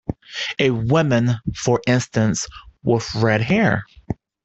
A woman, for instance, with red hair.